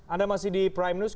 anda masih di prime news